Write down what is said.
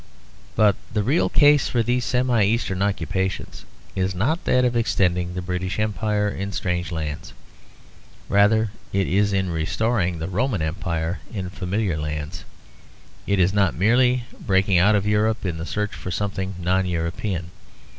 But the real case for these semi eastern occupations is not that of extending the British Empire in strange lands. Rather it is restoring the Roman Empire in familiar lands. It is not merely breaking out of Europe in the search for something non European.